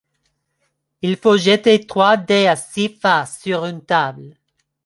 Il faut jeter trois dés à six faces sur une table.